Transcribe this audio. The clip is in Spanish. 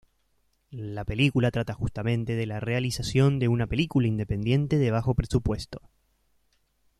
La película trata justamente de la realización de una película independiente de bajo presupuesto.